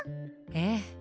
ええ。